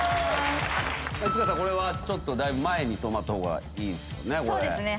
市川さんこれはちょっとだいぶ前に止まった方がいいですよね。